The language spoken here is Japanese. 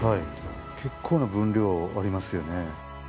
結構な分量ありますよね。